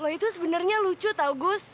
lo itu sebenernya lucu tau gus